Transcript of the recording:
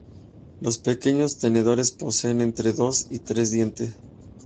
Los pequeños tenedores poseen entre dos y tres dientes.